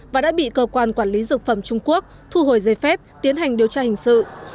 và đã bị cơ quan quản lý dược phẩm trung quốc thu hồi giấy phép tiến hành điều tra hình sự